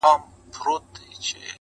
سړي ښخ کئ سپي د کلي هدیره کي.